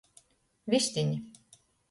Vistini.